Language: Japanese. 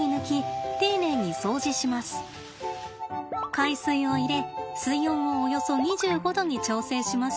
海水を入れ水温をおよそ２５℃に調整します。